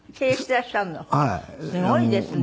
すごいですね。